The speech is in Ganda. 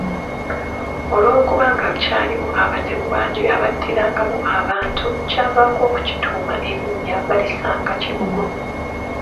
Olw’okuba nga kyalimu abatemu bangi abattirangamu abantu, kyavaako okukituuma erinnya Balisangakibugo.